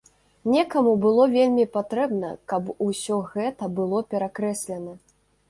Некаму было вельмі патрэбна, каб усё гэта было перакрэслена.